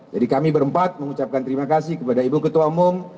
jadi kami berempat mengucapkan terima kasih kepada ibu ketua umum